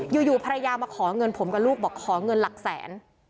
อยู่ภรรยามาขอเงินผมกับลูกบอกขอเงินหลักแสน